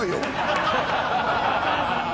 ハハハハッ。